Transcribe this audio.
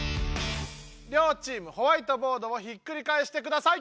両チームホワイトボードを引っくりかえしてください！